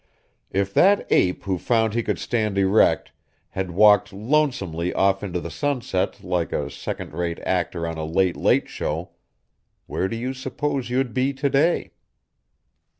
If that ape who found he could stand erect had walked lonesomely off into the sunset like a second rate actor on a late, late show, where do you suppose you'd be today?"